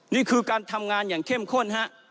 นี่คือการทำงานอย่างเข้มข้นฮะ